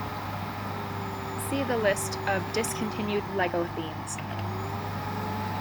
See the list of discontinued "Lego" themes.